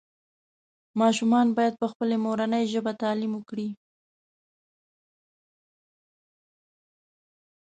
ماشومان باید پخپلې مورنۍ ژبې تعلیم وکړي